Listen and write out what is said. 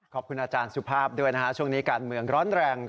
ขอบคุณอาจารย์สุภาพด้วยนะฮะช่วงนี้การเมืองร้อนแรง